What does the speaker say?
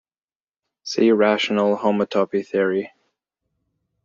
See rational homotopy theory.